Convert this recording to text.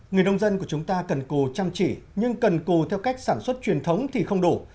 người nông dân của chúng ta cần cù chăm chỉ nhưng cần cù theo cách sản xuất truyền thống thì không đủ